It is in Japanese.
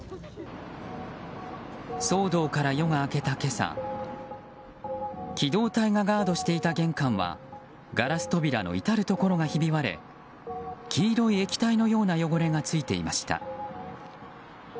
騒動から夜が明けた今朝機動隊がガードしていた玄関はガラス扉の至るところが割れ黄色い液体のような汚れがついていました。